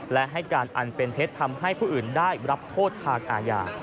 และให้การอันเป็นเท็จทำให้ผู้อื่นได้รับโทษทางอาญา